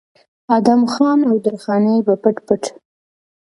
ادم خان او درخانۍ به پټ پټ